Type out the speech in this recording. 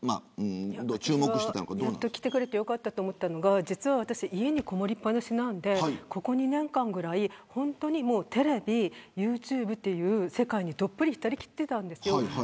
やっと来てくれてよかったと思ったのが私、家にこもりっぱなしなんでここ２年間ぐらいテレビ、ユーチューブという世界にどっぷり浸りきっていたんです。